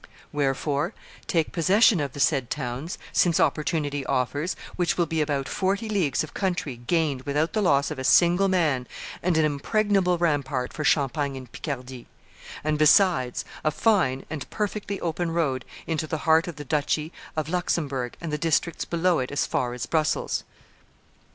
Wherefore, take possession of the said towns, since opportunity offers, which will be about forty leagues of country gained without the loss of a single man, and an impregnable rampart for Champagne and Picardy; and, besides, a fine and perfectly open road into the heart of the duchy of Luxembourg and the districts below it as far as Brussels."